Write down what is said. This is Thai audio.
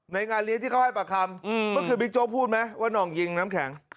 ในงานเรียนที่เขาให้ประคำอืมเมื่อกี้บิ๊กโจ๊กพูดไหมว่านองยิงน้ำแข็ง